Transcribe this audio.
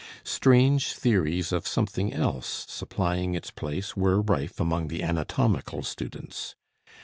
Strange theories of something else supplying its place were rife among the anatomical students.